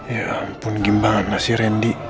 ya ampun gimana sih rendy